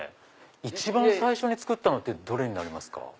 一番最初に作ったのってどれになりますか？